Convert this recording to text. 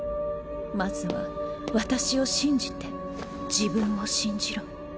まずは私を信じて自分を信じろ